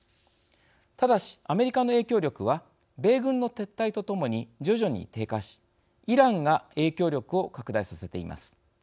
ただし、アメリカの影響力は米軍の撤退とともに徐々に低下しイランが影響力を拡大させています。